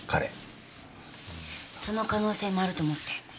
その可能性もあると思って。